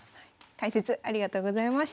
解説ありがとうございました。